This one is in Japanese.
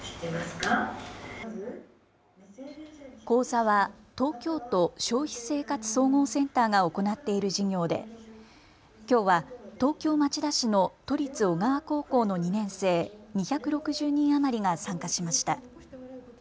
講座は東京都消費生活総合センターが行っている事業できょうは東京町田市の都立小川高校の２年生２６０人余りが参加しました。